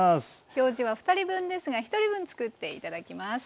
表示は２人分ですが１人分作って頂きます。